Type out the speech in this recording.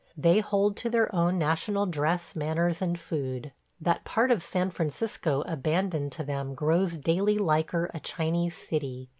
They hold to their own national dress, manners, and food. That part of San Francisco abandoned to them grows daily liker a Chinese city.